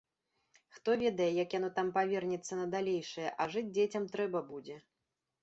Хто ведае, як яно там павернецца на далейшае, а жыць дзецям трэба будзе.